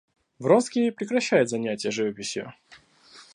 Вронский прекращает занятия живописью.